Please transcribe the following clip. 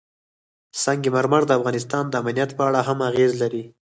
سنگ مرمر د افغانستان د امنیت په اړه هم اغېز لري.